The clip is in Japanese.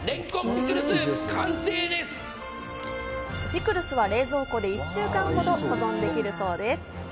ピクルスは冷蔵庫で１週間ほど保存できるそうです。